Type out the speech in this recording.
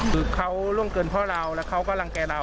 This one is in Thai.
คือเขาร่วงเกินพ่อเราแล้วเขาก็รังแก่เรา